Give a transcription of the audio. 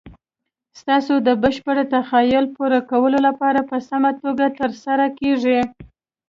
ستاسو د بشپړ تخیل پوره کولو لپاره په سمه توګه تر سره کیږي.